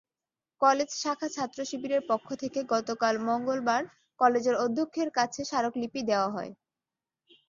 College শাখা ছাত্রশিবিরের পক্ষ থেকে গতকাল মঙ্গলবার কলেজের অধ্যক্ষের কাছে স্মারকলিপি দেওয়া হয়।